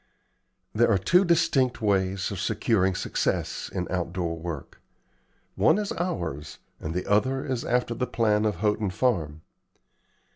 There are two distinct ways of securing success in outdoor work. One is ours, and the other is after the plan of Houghton Farm.